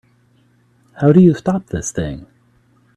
How do you stop this thing?